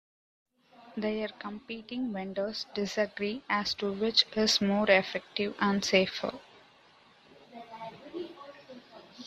Their competing vendors disagree as to which is more effective and safer.